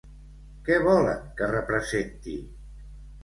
Què volen que representi?